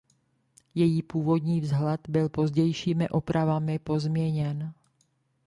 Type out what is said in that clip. Její původní vzhled byl pozdějšími opravami pozměněn.